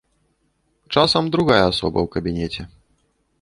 Часам другая асоба ў кабінеце.